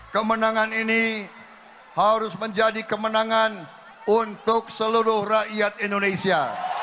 kemenangan ini harus menjadi kemenangan untuk seluruh rakyat indonesia